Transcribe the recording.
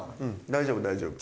大丈夫大丈夫。